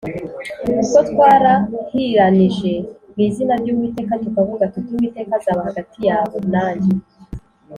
ubwo twarahiranije mu izina ry’Uwiteka tukavuga tuti ‘Uwiteka azaba hagati yawe nanjye